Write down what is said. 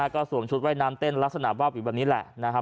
ก็สวมชุดว่ายน้ำเต้นลักษณะบ้าบอยู่แบบนี้แหละ